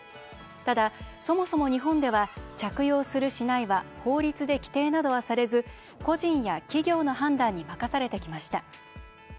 ただ、そもそも日本では着用する、しないは法律で規定などはされず個人や企業の判断に任されてきました。